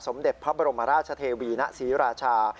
เด็จพระบรมราชเทวีณศรีราชา